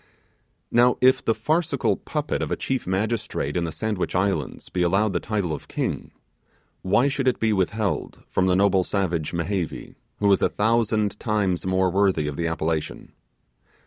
Now, if the farcical puppet of a chief magistrate in the Sandwich Islands be allowed the title of King, why should it be withheld from the noble savage Mehevi, who is a thousand times more worthy of the appellation?